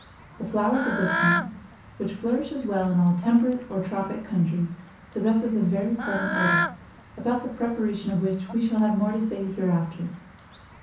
The flowers of this plant, which flourishes well in all temperate or tropic countries, possess a very pleasant odor, about the preparation of which we shall have more to say hereafter.